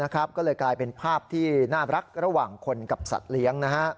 ก็เลยกลายเป็นภาพที่น่ารักระหว่างคนกับสัตว์เลี้ยง